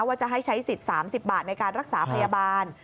ว่าจะให้ใช้สิทธิ์๓๐บาทในการรักษาพยาบาล